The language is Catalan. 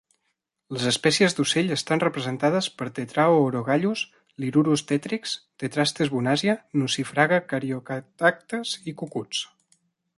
Les espècies d'ocells estan representades per Tetrao urogallus, Lyrurus tetrix, Tetrastes bonasia, Nucifraga Caryocatactes i cucuts.